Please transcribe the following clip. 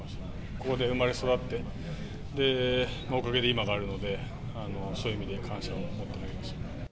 ここで生まれ育って、おかげで今があるので、そういう意味で感謝をもって投げました。